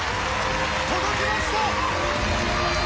届けました！